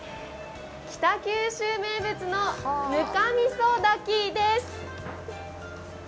北九州名物のぬかみそ炊きです。